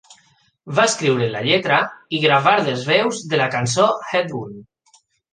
Va escriure la lletra i gravar les veus de la cançó Headwound.